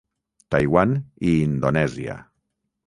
Taiwan i Indonèsia.